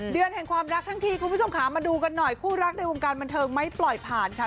เดือนแห่งความรักทั้งทีคุณผู้ชมค่ะมาดูกันหน่อยคู่รักในวงการบันเทิงไม่ปล่อยผ่านค่ะ